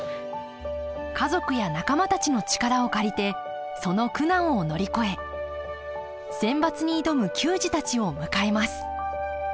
家族や仲間たちの力を借りてその苦難を乗り越えセンバツに挑む球児たちを迎えます